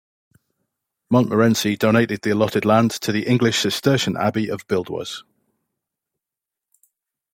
Montmorency donated the allotted land to the English Cistercian Abbey of Buildwas.